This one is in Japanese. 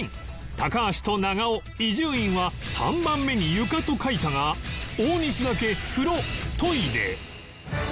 高橋と長尾伊集院は３番目に床と書いたが大西だけ風呂・トイレ